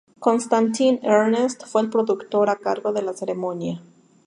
Konstantin Ernst fue el productor a cargo de la ceremonia.